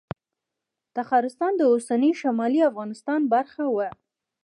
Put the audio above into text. تخارستان د اوسني شمالي افغانستان برخه وه